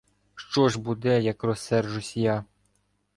Що ж буде, як розсержусь я?